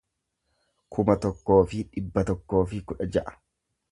kuma tokkoo fi dhibba tokkoo fi kudha ja'a